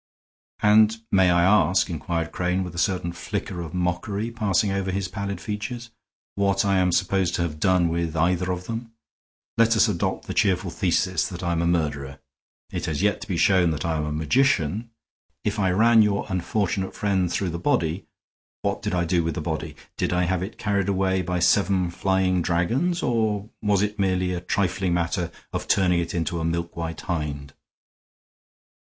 "And may I ask," inquired Crane, with a certain flicker of mockery passing over his pallid features, "what I am supposed to have done with either of them? Let us adopt the cheerful thesis that I am a murderer; it has yet to be shown that I am a magician. If I ran your unfortunate friend through the body, what did I do with the body? Did I have it carried away by seven flying dragons, or was it merely a trifling matter of turning it into a milk white hind?"